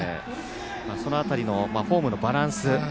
その辺りのフォームのバランス。